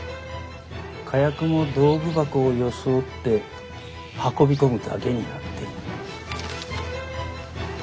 火薬も道具箱を装って運び込むだけになっている。